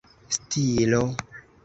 stilo